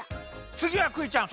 つぎはクイちゃん